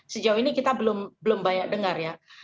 sejauh ini kita belum banyak dengar ya